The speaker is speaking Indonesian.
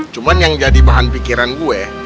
cuma yang jadi bahan pikiran gue